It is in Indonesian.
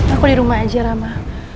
aku di rumah aja rama